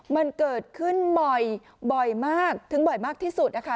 มันเกิดขึ้นบ่อยบ่อยมากถึงบ่อยมากที่สุดนะคะ